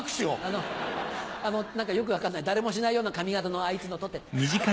あのあの何かよく分かんない誰もしないような髪形のあいつの取って。